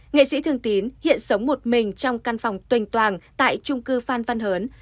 nghệ sĩ thương tín hiện sống một mình trong căn phòng tuyên toàn tại trung cư phan văn hớn